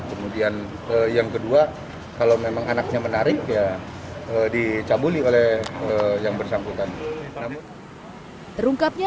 kemudian yang kedua kalau memang anaknya menarik ya dicabuli oleh yang bersangkutan